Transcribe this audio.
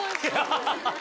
ハハハ。